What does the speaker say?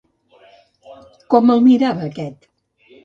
Com el mirava aquest?